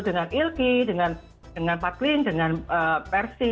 dengan ilki dengan pak klin dengan persi